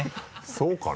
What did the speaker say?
そうかな？